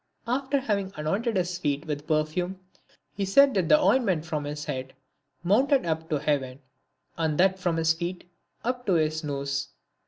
After having anointed his feet with per fume, he said that the ointment from his head mounted up to heaven, and that from his feet up to his nose.